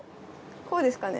こうですかね？